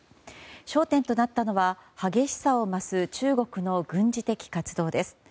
焦点となったのは激しさを増す中国の軍事的活動です。